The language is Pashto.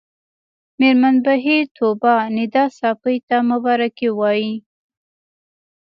مېرمن بهیر طوبا ندا ساپۍ ته مبارکي وايي